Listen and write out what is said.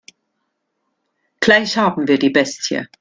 Gleich haben wir die Bestie.